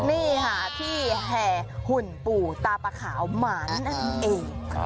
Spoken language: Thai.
นี่ค่ะที่แห่หุ่นปู่ตาปะขาวหมานนั่นเอง